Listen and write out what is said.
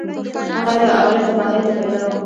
هغه له اوله تباهیو ته پیدا و